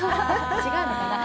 違うのかな？